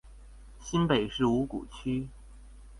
新北市五股區